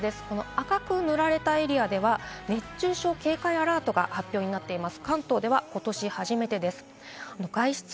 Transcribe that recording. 赤く塗られたエリアでは熱中症警戒アラートが発表になっています。